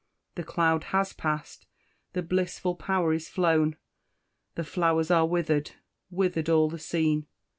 The cloud has passed the blissful power is flown, The flowers are wither'd wither'd all the scene.